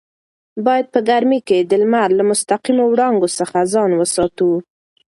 باید په ګرمۍ کې د لمر له مستقیمو وړانګو څخه ځان وساتو.